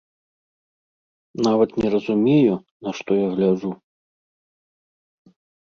Нават не разумею, на што я гляджу.